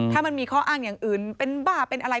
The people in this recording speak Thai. ถ้ามันมีข้ออ้างอย่างอื่นเป็นบ้าเป็นอะไร